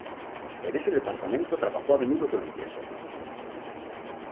En ese departamento trabajó a menudo con el yeso.